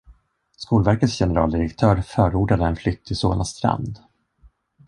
Skolverkets generaldirektör förordade en flytt till Solna strand.